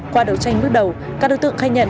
qua đấu tranh bước đầu các đối tượng khai nhận